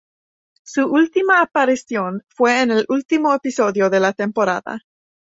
Su última aparición fue en el último episodio de la temporada.